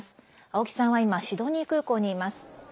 青木さんは今、シドニー空港にいます。